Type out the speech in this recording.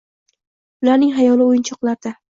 Ularning xayoli — o’yinchoqlarda…